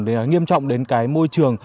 để nghiêm trọng đến cái môi trường